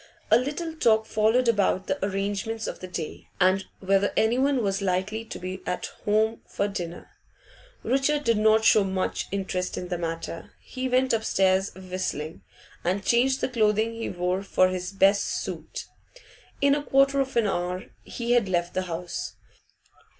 A little talk followed about the arrangements of the day, and whether anyone was likely to be at home for dinner. Richard did not show much interest in the matter; he went upstairs whistling, and changed the clothing he wore for his best suit. In a quarter of an hour he had left the house.